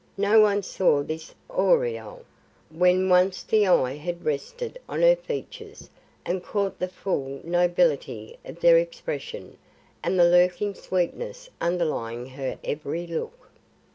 No one saw this aureole when once the eye had rested on her features and caught the full nobility of their expression and the lurking sweetness underlying her every look.